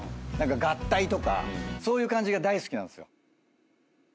合体とかそういう感じが大好きなんですよ。